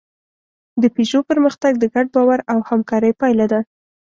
د پيژو پرمختګ د ګډ باور او همکارۍ پایله ده.